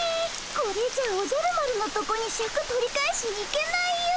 これじゃあおじゃる丸のとこにシャク取り返しに行けないよ。